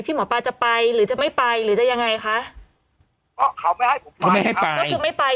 พี่หมอป้าจะไปหรือจะไม่ไปหรือจะยังไงคะก็เขาไม่ให้ผมไปก็คือไม่ไป